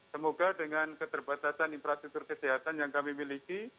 semoga dengan keterbatasan infrastruktur kesehatan yang kami miliki